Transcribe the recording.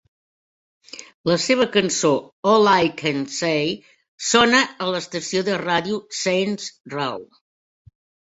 La seva cançó "All I Can Say" sona a l'estació de ràdio Saints Row.